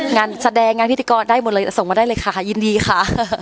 งานแสดงงานพิธีกรได้หมดเลยส่งมาได้เลยค่ะยินดีค่ะ